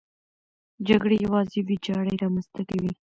جګړې یوازې ویجاړي رامنځته کوي.